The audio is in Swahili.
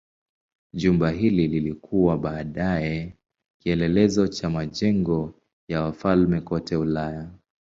Jumba hili lilikuwa baadaye kielelezo kwa majengo ya wafalme kote Ulaya.